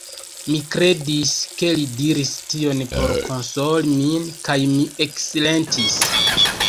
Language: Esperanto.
Mi kredis, ke li diris tion por konsoli min kaj mi eksilentis.